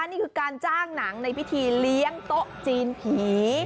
นี่คือการจ้างหนังในพิธีเลี้ยงโต๊ะจีนผี